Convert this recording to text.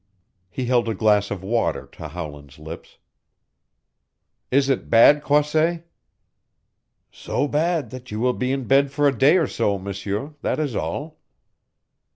He held a glass of water to Howland's lips. "Is it bad, Croisset?" "So bad that you will be in bed for a day or so, M'seur. That is all."